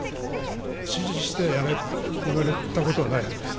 指示してやれって言われたことはないはずです。